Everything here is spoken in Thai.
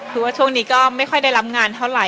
คือว่าช่วงนี้ก็ไม่ค่อยได้รับงานเท่าไห